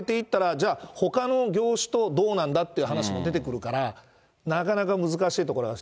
じゃあ、ほかの業種とどうなんだって話も出てくるから、なかなか難しいところなんです。